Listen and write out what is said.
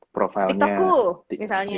profile nya tiktoku misalnya